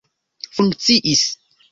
funkciis